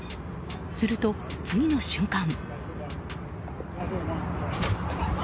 すると次の瞬間。